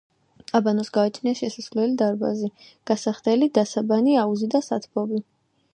აბანოს გააჩნია შესასვლელი დარბაზი, გასახდელი, დასაბანი, აუზი და სათბობი.